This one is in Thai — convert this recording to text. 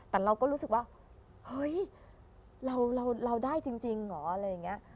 แต่เราก็รู้สึกว่าเฮ้ยเราได้จริงเหรออะไรอย่างนี้